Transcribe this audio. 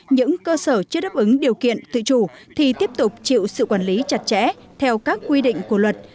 những cơ sở chưa đáp ứng điều kiện tự chủ thì tiếp tục chịu sự quản lý chặt chẽ theo các quy định của luật